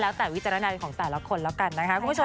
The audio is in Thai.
แล้วแต่วิจารณาของแต่ละคนแล้วกันนะคะ